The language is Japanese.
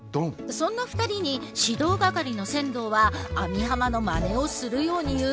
そんな２人に指導係の千堂は網浜のまねをするように言う。